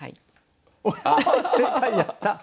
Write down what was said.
やった！